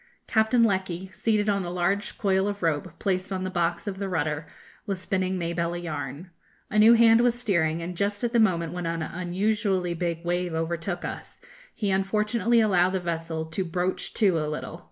Captain Lecky, seated on a large coil of rope, placed on the box of the rudder, was spinning Mabelle a yarn. A new hand was steering, and just at the moment when an unusually big wave overtook us, he unfortunately allowed the vessel to broach to a little.